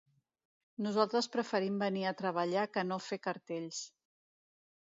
Nosaltres preferim venir a treballar que no fer cartells.